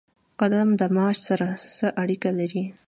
قدم د معاش سره څه اړیکه لري؟